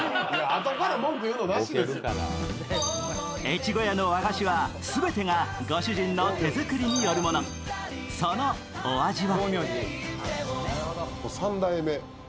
ゑちごやの和菓子は全てがご主人の手づくりによるもの、そのお味は？